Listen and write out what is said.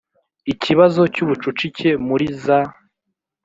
ikibazo cy ubucucike muri za